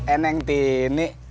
eh neng tini